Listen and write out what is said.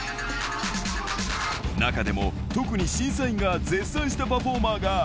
中でも特に審査員が絶賛したパフォーマーが。